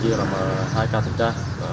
chia làm hai ca thẩm tra